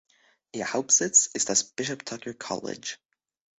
Ihr Hauptsitz ist das "Bishop Tucker College".